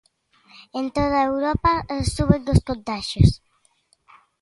En toda Europa soben os contaxios.